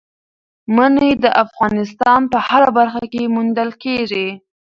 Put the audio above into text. منی د افغانستان په هره برخه کې موندل کېږي.